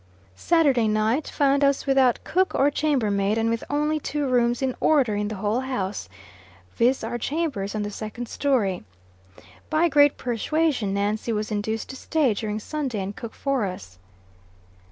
Saturday night found us without cook or chamber maid, and with only two rooms in order in the whole house, viz. our chambers on the second story. By great persuasion, Nancy was induced to stay during Sunday and cook for us.